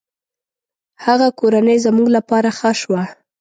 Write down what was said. هغه کورنۍ زموږ له پاره ښه شوه.